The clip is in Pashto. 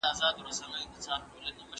د نوو نظریاتو په مرسته، ټولنه پرمختګ کوي.